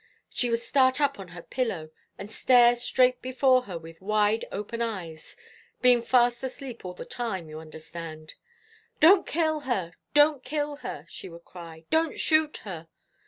She would start up on her pillow, and stare straight before her with wide open eyes, being fast asleep all the time, you understand. 'Don't kill her, don't kill her!' she would cry; 'don't shoot her!'